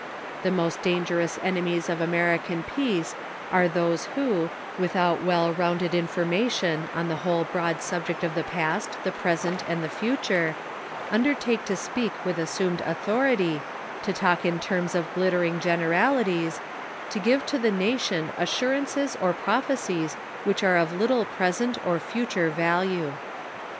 The most dangerous enemies of American peace are those who, without well rounded information on the whole broad subject of the past, the present and the future, undertake to speak with assumed authority, to talk in terms of glittering generalities, to give to the nation assurances or prophecies which are of little present or future value.